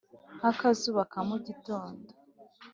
nk'akazuba ka mu gitondo.